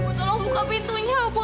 tolong buka pintunya bu